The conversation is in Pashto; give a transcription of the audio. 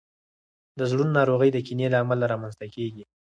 د زړونو ناروغۍ د کینې له امله رامنځته کیږي.